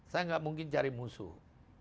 saya nggak mungkin cari musuh